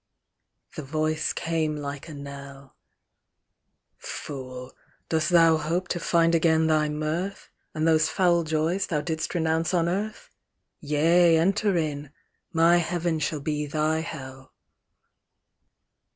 The Voice came like a knell â " Fool ! dost thou hope to find again thy mirth. And those foul joys thou didst renounce on earth ? Yea, enter in ! My Heaven shall be thy Hell